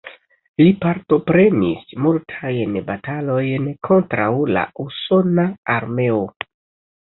Li partoprenis multajn batalojn kontraŭ la usona armeo.